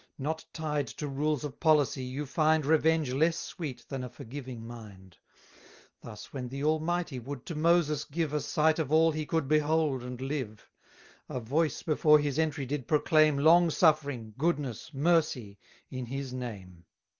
Not tied to rules of policy, you find 260 Revenge less sweet than a forgiving mind. Thus, when the Almighty would to Moses give A sight of all he could behold and live; A voice before his entry did proclaim Long suffering, goodness, mercy, in his name.